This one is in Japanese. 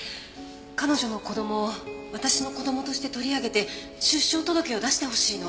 彼女の子供を私の子供として取り上げて出生届を出してほしいの。